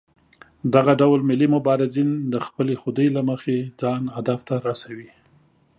دغه ډول ملي مبارزین د خپلې خودۍ له مخې ځان هدف ته رسوي.